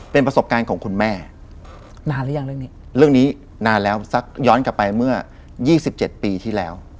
เป็นประสบการณ์ของคุณแม่นานหรือยังเรื่องนี้เรื่องนี้นานแล้วสักย้อนกลับไปเมื่อ๒๗ปีที่แล้ว